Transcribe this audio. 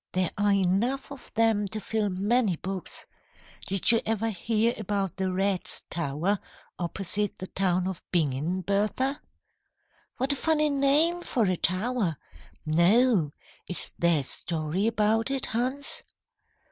There are enough of them to fill many books. Did you ever hear about the Rats' Tower opposite the town of Bingen, Bertha?" "What a funny name for a tower! No. Is there a story about it, Hans?"